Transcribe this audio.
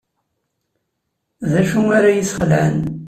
D acu ay iyi-yesxelɛen?